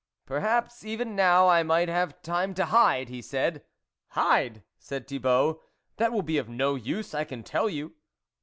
" Perhaps even now I might have time to hide," he said. " Hide !" said Thibault, " that will be of no use, I can tell you."